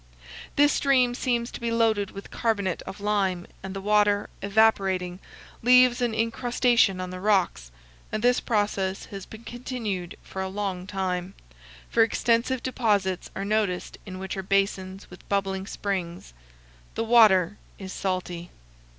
This stream seems to be loaded with carbonate of lime, and the water, evaporating, leaves an incrustation on the rocks; and this process has been continued for a long time, for extensive deposits are noticed in which are basins with bubbling springs. The water is salty.